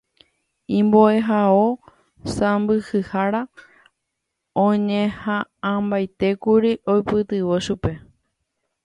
Imbo'ehao sãmbyhyhára oñeha'ãmbaitékuri oipytyvõ chupe.